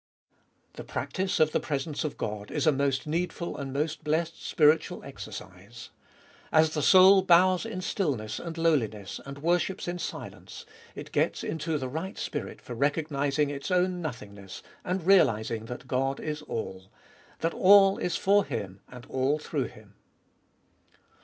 1. The practice of the presence of God is a most needful and most blessed spiritual exercise. As the soul bows in stillness and lowliness, and worships in silence, it gets into the right spirit for recognising its own nothingness, and realising that God is all— that all is for Him, and all through Him.